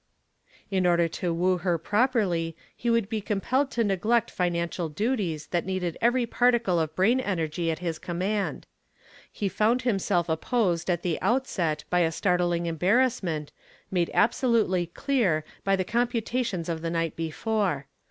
In order to woo her properly he would be compelled to neglect financial duties that needed every particle of brain energy at his command. He found himself opposed at the outset by a startling embarrassment, made absolutely clear by the computations of the night before.